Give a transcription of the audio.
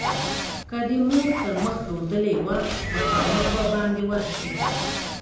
که دې مور تر مخ رودلې وه؛ مخامخ به باندې ورشې.